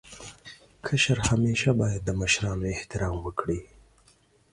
کشر همېشه باید د مشرانو احترام وکړي.